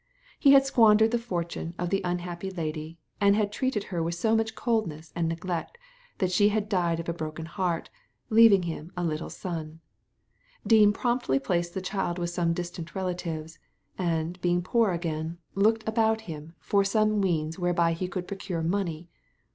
He had squandered the fortune of the unhappy lady, and had treated her with so much coldness and neglect that she had died of a broken heart, leaving him a little son. Dean promptly placed the child with some distant relatives, and being poor again, looked about him for some Digitized by Google THE CRIME OF KIRKSTONE HALL 59 means whereby he could procure money.